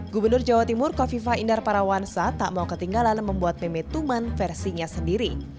gubernur jawa timur hovifa inder parawansa tak mau ketinggalan membuat meme tuman versinya sendiri